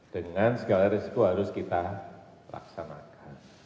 dengan segala risiko harus kita laksanakan